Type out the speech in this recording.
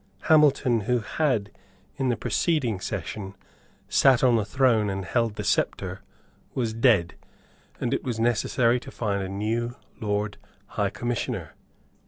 Hamilton, who had, in the preceding session, sate on the throne and held the sceptre, was dead; and it was necessary to find a new Lord High Commissioner.